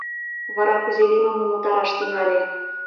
Вара кузе лиймым умылтараш тӱҥале...